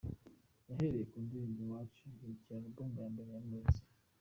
Yahereye ku ndirimbo 'Iwacu' yitiriye Album ya mbere yamuritse.